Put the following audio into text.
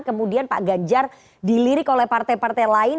kemudian pak ganjar dilirik oleh partai partai lain